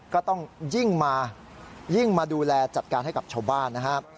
ก็ต้องยิ่งมายิ่งมาดูแลจัดการให้กับชาวบ้านนะครับ